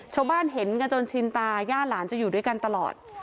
ชาวบ้านเห็นกันจนชินตาย่าหลานจะอยู่ด้วยกันตลอด